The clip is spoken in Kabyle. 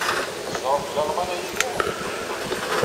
Tzedɣeḍ deg Lalman a Yidir?